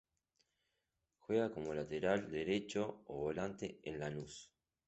Juega como lateral derecho o volante en Lanús.